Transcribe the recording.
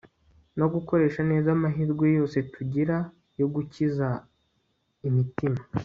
no gukoresha neza amahirwe yose tugira yo gukiza imitima